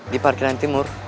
di parkiran timur